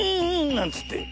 なんつって。